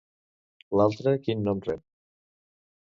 L'altre quin nom rep?